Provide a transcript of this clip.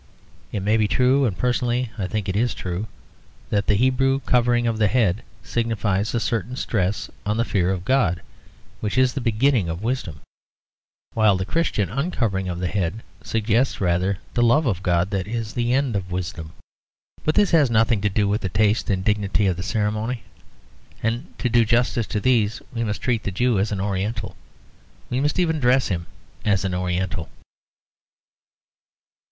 It may be true, and personally I think it is true, that the Hebrew covering of the head signifies a certain stress on the fear of God, which is the beginning of wisdom, while the Christian uncovering of the head suggests rather the love of God that is the end of wisdom. But this has nothing to do with the taste and dignity of the ceremony; and to do justice to these we must treat the Jew as an oriental; we must even dress him as an oriental.